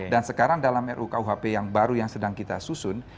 dan sekarang dalam ru kuhp yang baru yang sedang kita susun